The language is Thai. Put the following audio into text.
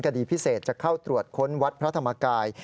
คดีพิเศษจะเข้าตรวจค้นวัดพระธรรมกาย